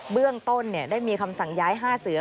เบื้องต้นได้มีคำสั่งย้าย๕เสือ